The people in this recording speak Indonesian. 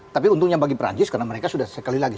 tapi untungnya bagi perancis karena mereka sudah sekali lagi